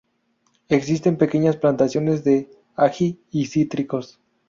Existen pequeñas plantaciones de ají y cítricos.